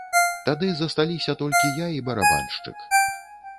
Тады засталіся толькі я і барабаншчык.